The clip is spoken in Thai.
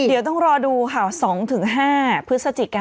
เดี๋ยวต้องรอดูข่าว๒๕เพื่อสจิก